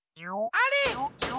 あれ？